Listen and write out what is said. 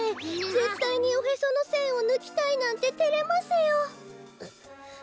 ぜったいにおへそのせんをぬきたいなんててれますよ。